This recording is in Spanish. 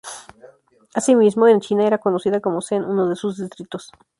Asimismo, en China era conocida como Sen, uno de sus distritos.